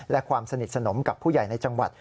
และความสนิทสนมกับผู้ใหญ่ในจังหวัด